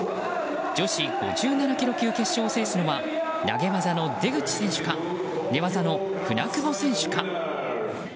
女子５７ｋｇ級決勝を制するのは投げ技の出口選手か寝技の舟久保選手か。